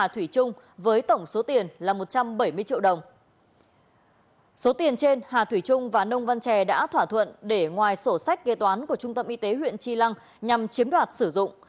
trên trên hà thủy trung và nông văn trè đã thỏa thuận để ngoài sổ sách kê toán của trung tâm y tế huyện tri lăng nhằm chiếm đoạt sử dụng